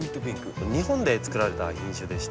日本でつくられた品種でして。